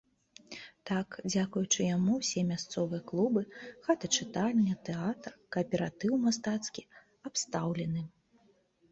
Так, дзякуючы яму ўсе мясцовыя клубы, хата-чытальня, тэатр, кааператыў мастацкі абстаўлены.